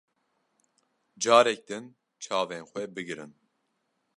Carek din çavên xwe bigirin.